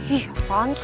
ih apaan sih